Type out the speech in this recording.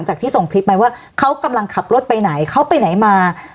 หมายว่าเค้ากำลังขับรถไปไหนเค้าไปไหนมา